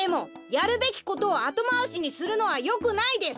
やるべきことをあとまわしにするのはよくないです！